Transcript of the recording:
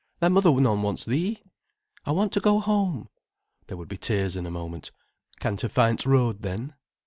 Thy mother none wants thee." "I want to go home." There would be tears in a moment. "Can ter find t'road, then?"